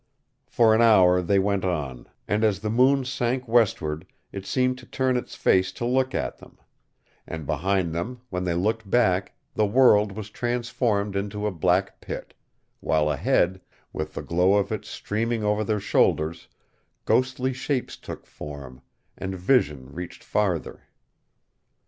For an hour they went on, and as the moon sank westward it seemed to turn its face to look at them; and behind them, when they looked back, the world was transformed into a black pit, while ahead with the glow of it streaming over their shoulders ghostly shapes took form, and vision reached farther.